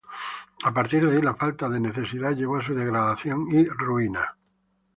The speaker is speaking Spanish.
A partir de aquí, la falta de necesidad llevó a su degradación y ruina.